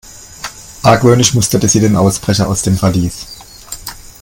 Argwöhnisch musterte sie den Ausbrecher aus dem Verlies.